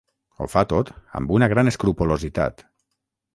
Ho fa tot amb una gran escrupolositat.